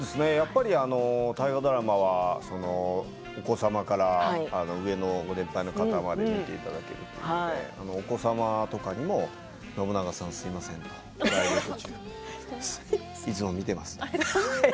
大河ドラマはお子様からご年配の方まで見ていただけるということでお子様とかにも信長さん、すみませんとプライベート中いつも見ています